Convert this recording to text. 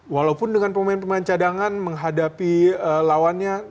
walaupun dengan pemain pemain cadangan menghadapi lawannya